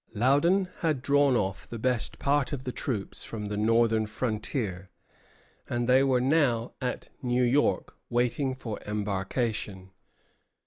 Loudon had drawn off the best part of the troops from the northern frontier, and they were now at New York waiting for embarkation.